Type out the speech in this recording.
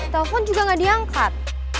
telepon juga gak diangkat